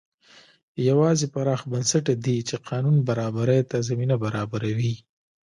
یوازې پراخ بنسټه دي چې قانون برابرۍ ته زمینه برابروي.